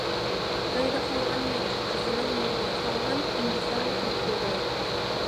ئۆيىدە قالغان نەچچە قىزىنىڭ يولىغا قارىغان ئىنتىزارلىقىنى كولايدۇ.